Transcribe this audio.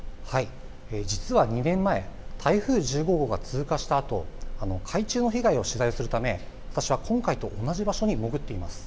実は２年前、台風１５号が通過したあと海中の被害を調査するため今回と同じ場所に潜っています。